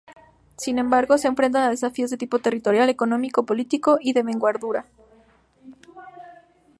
Sin embargo, se enfrenta a desafíos de tipo territorial, económico y político de envergadura.